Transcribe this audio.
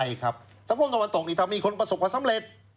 ใช่ครับสังคมตะวันตกนี่ถ้ามีคนประสบความสำเร็จ